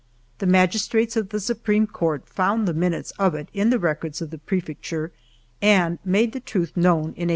The magistrates of the Supreme Court found the minutes of it in the records of the Prefecture and made the truth known in 1899.